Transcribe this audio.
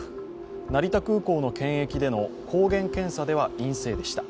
成田空港での検疫では抗原検査では陰性でした。